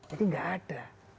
ini tidak ada